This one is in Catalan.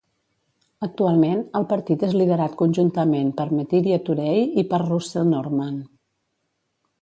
Actualment, el partit és liderat conjuntament per Metiria Turei i per Russel Norman.